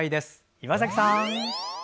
岩崎さん。